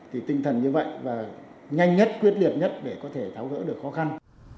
thì tinh thần như vậy và nhanh nhất quyết liệt nhất để có thể tháo gỡ được khó khăn